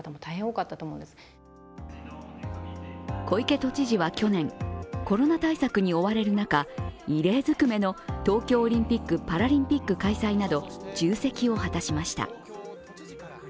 小池都知事は去年、コロナ対策に追われる中異例ずくめの東京オリンピック・パラリンピック開催など重責を果たしました。